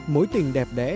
mối tình đẹp đẽ